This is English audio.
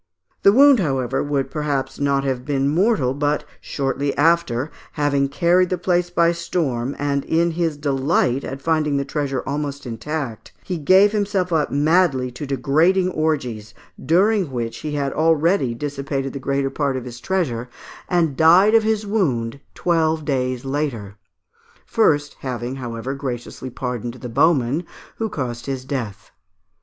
The wound, however, would perhaps not have been mortal, but, shortly after, having carried the place by storm, and in his delight at finding the treasure almost intact, he gave himself up madly to degrading orgies, during which he had already dissipated the greater part of his treasure, and died of his wound twelve days later; first having, however, graciously pardoned the bowman who caused his death.